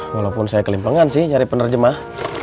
walaupun saya kelimpangan sih nyari penerjemah